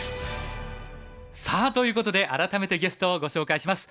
さあということで改めてゲストをご紹介します。